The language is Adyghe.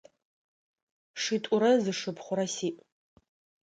Шитӏурэ зы шыпхъурэ сиӏ.